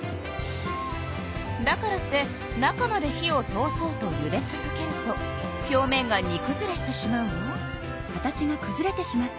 だからって中まで火を通そうとゆで続けると表面がにくずれしてしまうわ。